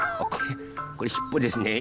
これしっぽですね。